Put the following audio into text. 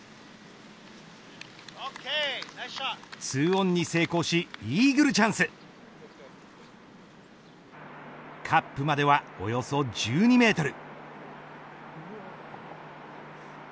２オンに成功しイーグルチャンスカップまではおよそ１２メートル。